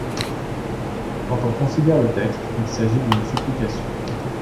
Quand on considère le texte, il s’agit d’une supplication.